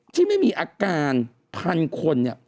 ที่ไม่มีอาการพันคนเนี่ย